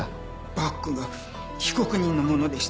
バッグが被告人のものでした。